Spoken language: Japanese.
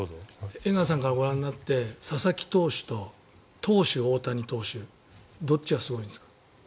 江川さんからご覧になって佐々木投手と大谷投手どっちがすごいですか。